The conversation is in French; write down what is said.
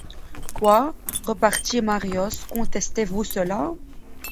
Quoi ! repartit Marius, contestez-vous cela ?